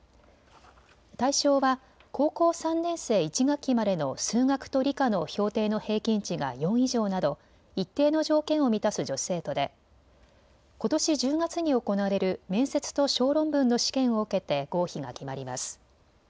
対象は高校３年生１学期までの数学と理科の評定の平均値が４以上など一定の条件を満たす女子生徒でことし１０月に行われる面接と小論文の試験を受けて合否が決まります。